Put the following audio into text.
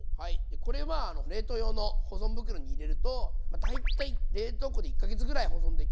これは冷凍用の保存袋に入れると大体冷凍庫で１か月ぐらい保存できますんで。